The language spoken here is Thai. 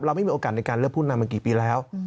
ไม่มีโอกาสในการเลือกผู้นำมากี่ปีแล้ว